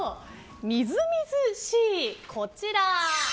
みずみずしい、こちら。